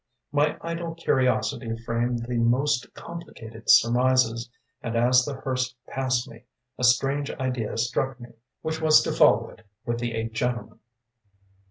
My idle curiosity framed the most complicated surmises, and as the hearse passed me, a strange idea struck me, which was to follow it, with the eight gentlemen.